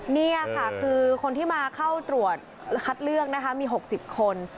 นี่ค่ะคือคนที่มาเข้าตรวจคัดเลือกนะคะมี๖๐คน